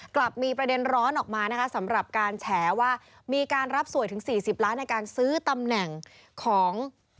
กลับมีประเด็นร้อนออกมานะคะสำหรับการแฉว่ามีการรับสวยถึง๔๐ล้านในการซื้อตำแหน่งของ